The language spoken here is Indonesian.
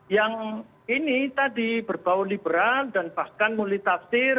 yang ini tadi berbau liberal dan bahkan muli tafsir